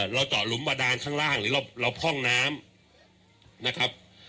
เราเจาะหลุมบาดานข้างล่างหรือเราพ่องน้ำนะครับ